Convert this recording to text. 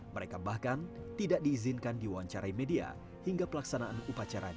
mereka bahkan tidak diizinkan diwawancarai media hingga pelaksanaan upacaranya